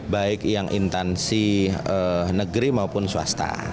baik yang intansi negeri maupun swasta